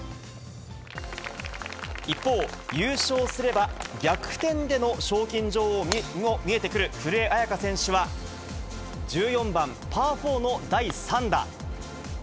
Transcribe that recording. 一方、優勝すれば逆転での賞金女王も見えてくる、古江彩花選手は１４番パー４の第３打。